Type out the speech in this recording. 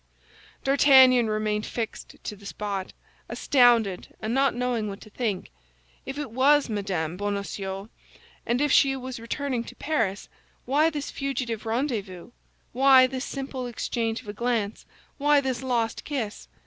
D'Artagnan remained fixed to the spot, astounded and not knowing what to think. If it was Mme. Bonacieux and if she was returning to Paris, why this fugitive rendezvous, why this simple exchange of a glance, why this lost kiss?